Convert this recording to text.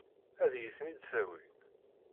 Ad iyi-ten-id-tawi?